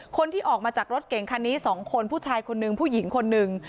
คนที่ออกมาจากรถเก่งคันนี้๒คนผู้ชายคนนึงผู้หญิงคนหนึ่ง